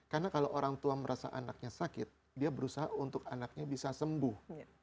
karena kalau orang tua merasa anaknya sakit dia berusaha untuk anaknya bisa sembuh